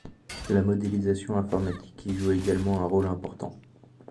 La modélisation informatique y joue également un rôle important.